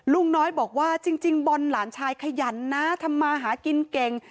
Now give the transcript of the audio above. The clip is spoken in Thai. ลุงน้อยบอกว่าจริงบอลหลานชายขยันนะทำมาหากินเก่ง